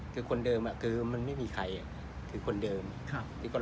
คือคนเดิมอ่ะคือมันไม่มีใครอ่ะคือคนเดิมครับ